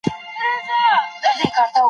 ساقي واخله ټول جامونه پرې خړوب که